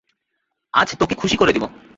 আজ তোকে খুশি করে দিবো।